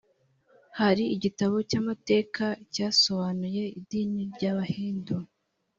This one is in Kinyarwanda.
hari igitabo cy’amateka cyasobanuye idini ry’abahindu